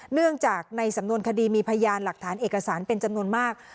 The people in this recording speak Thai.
เนื่องจากในสำนวนคดีมีพยานหลักฐานเอกสารเป็นจำนวนมาก